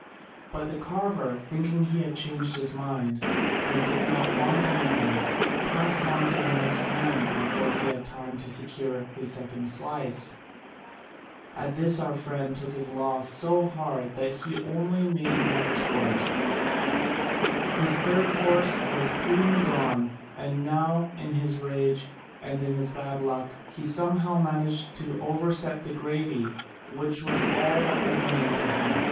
But the carver, thinking he had changed his mind and did not want any more, passed on to the next man before he had time to secure his second slice. At this our friend took his loss so hard that he only made matters worse: his third course was clean gone, and now in his rage and his bad luck he somehow managed to overset the gravy, which was all that remained to him.